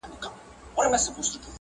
بيا مي خپلي مور ته وويل.